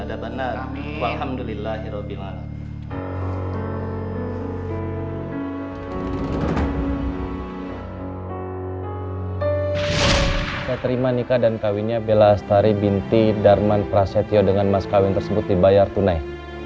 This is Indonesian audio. saya terima nikah dan kawinnya bellastari binti darman prasetyo dengan mas kawin tersebut dibayar tunai